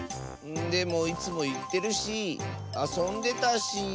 でもいつもいってるしあそんでたし。